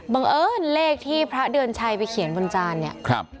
บังเอิญเลขที่พระเดือนชัยไปเขียนบนจานเนี่ยครับ